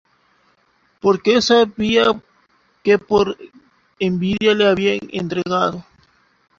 Porque sabía que por envidia le habían entregado.